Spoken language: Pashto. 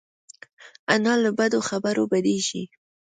انا له بدو خبرو بدېږي